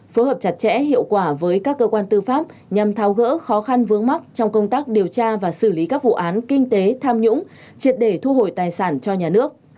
phối hợp chặt chẽ hiệu quả với các cơ quan tư pháp nhằm tháo gỡ khó khăn vướng mắt trong công tác điều tra và xử lý các vụ án kinh tế tham nhũng triệt để thu hồi tài sản cho nhà nước